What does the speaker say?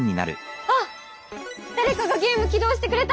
だれかがゲーム起動してくれた！